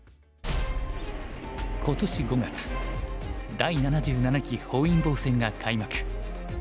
今年５月第７７期本因坊戦が開幕。